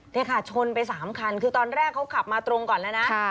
นี่ค่ะชนไป๓คันคือตอนแรกเขาขับมาตรงก่อนแล้วนะ